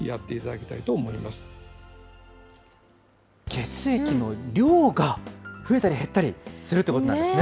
血液の量が増えたり減ったりするってことなんですね。